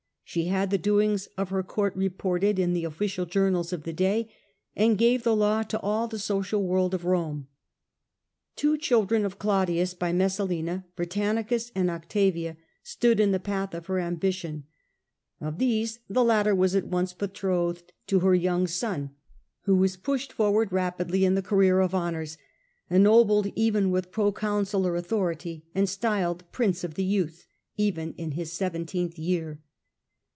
She had the doings of her court reported in the official journals of the day, and gave the law to all the social world of Rome. Two children of Claudius, by Messalina, Britannicus and ^^^^. Octavia, stood in the path of her ambition, betrothed to Of these the latter was at once betrothed her son, young son, who was pushed forward rapidly in the career of honours, ennobled even with proconsular authority, and styled ' Prince of the Youth ' even in his seventeenth year.